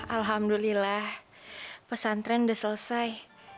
alhamdulillah pesantren sudah selesai